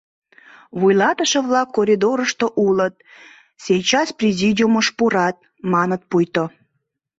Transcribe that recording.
«Вуйлатыше-влак коридорышто улыт, сечас президиумыш пурат», — маныт пуйто.